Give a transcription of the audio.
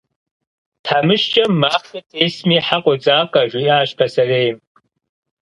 «Тхьэмыщкӏэм махъшэ тесми хьэ къодзакъэ», жиӏащ пасэрейм.